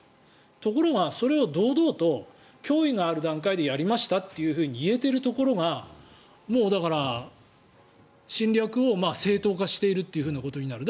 ところが、それを堂々と脅威がある段階でやりましたって言えてるところがもうだから、侵略を正当化しているということになる。